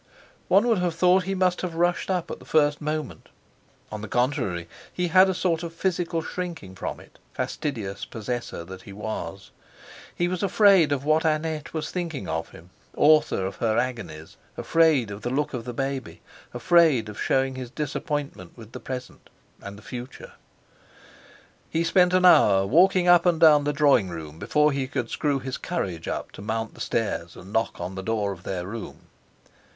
One would have thought he must have rushed up at the first moment. On the contrary, he had a sort of physical shrinking from it—fastidious possessor that he was. He was afraid of what Annette was thinking of him, author of her agonies, afraid of the look of the baby, afraid of showing his disappointment with the present and—the future. He spent an hour walking up and down the drawing room before he could screw his courage up to mount the stairs and knock on the door of their room.